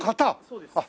そうです。